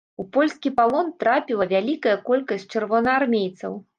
У польскі палон трапіла вялікая колькасць чырвонаармейцаў.